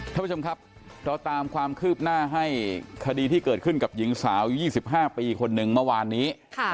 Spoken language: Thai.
ท่านผู้ชมครับเราตามความคืบหน้าให้คดีที่เกิดขึ้นกับหญิงสาว๒๕ปีคนหนึ่งเมื่อวานนี้